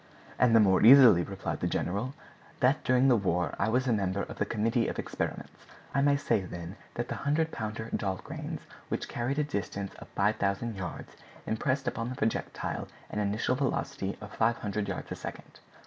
"And the more easily," replied the general, "that during the war I was a member of the committee of experiments. I may say, then, that the 100 pounder Dahlgrens, which carried a distance of 5,000 yards, impressed upon their projectile an initial velocity of 500 yards a second.